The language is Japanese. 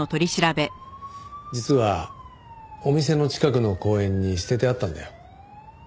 実はお店の近くの公園に捨ててあったんだよ。